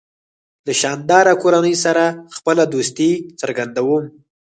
له شانداره کورنۍ سره خپله دوستي څرګندوم.